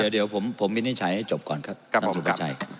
เดี๋ยวผมวินิจฉัยให้จบก่อนครับ